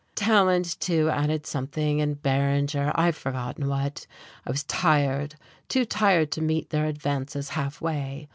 Tallant, too, added something, and Berringer, I've forgotten what. I was tired, too tired to meet their advances halfway.